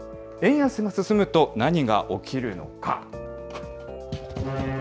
円安が進むと何が起きるのか。